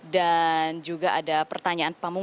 dan juga ada pertanyaan panggilan